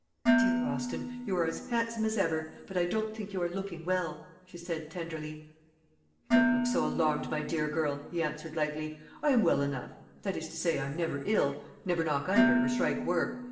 "Dear Austin, you are as handsome as ever; but I don't think you are looking well," she said tenderly. "Don't look so alarmed, my dear girl," he answered lightly; "I am well enough; that is to say, I am never ill, never knock under, or strike work.